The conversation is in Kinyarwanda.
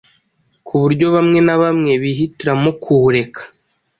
ku buryo bamwe na bamwe bihitiramo kuwureka